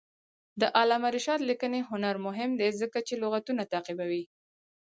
د علامه رشاد لیکنی هنر مهم دی ځکه چې لغتونه تعقیبوي.